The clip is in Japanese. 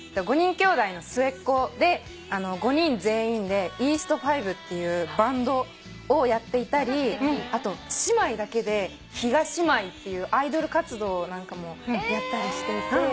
５人きょうだいの末っ子で５人全員で東東東東東っていうバンドをやっていたりあと姉妹だけで東姉妹っていうアイドル活動なんかもやったりしていて。